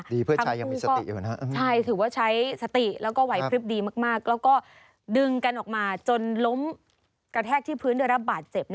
ดีเพื่อนชายยังมีสติอยู่นะครับ